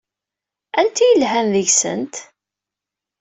Anta ay yelhan deg-sent?